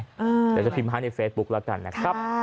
เดี๋ยวจะพิมพ์ให้ในเฟซบุ๊คแล้วกันนะครับ